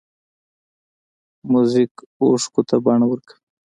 موزیک اوښکو ته بڼه ورکوي.